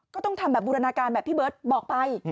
ก็ต้องทำแบบบูรณาการแบบพี่เบิร์ตบอกไป